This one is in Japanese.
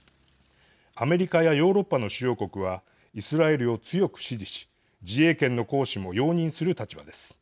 アメリカやヨーロッパの主要国はイスラエルを強く支持し自衛権の行使も容認する立場です。